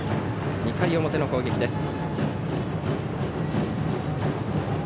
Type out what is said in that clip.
２回表の攻撃です。